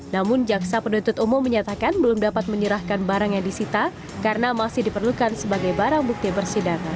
namun jaksa penuntut umum menyatakan belum dapat menyerahkan barang yang disita karena masih diperlukan sebagai barang bukti persidangan